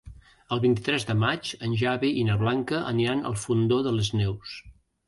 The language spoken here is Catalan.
El vint-i-tres de maig en Xavi i na Blanca aniran al Fondó de les Neus.